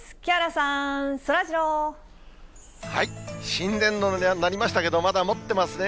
新年度にはなりましたけど、まだもってますね。